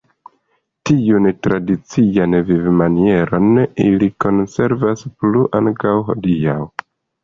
Tiun tradician vivmanieron ili konservas plu ankaŭ hodiaŭ.